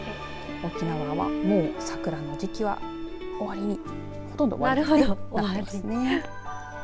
沖縄、もう桜の時期は終わりに、ほとんど終わってますね。